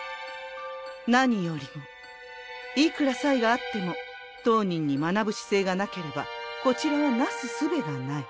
何よりもいくら才があっても当人に学ぶ姿勢がなければこちらはなす術がない。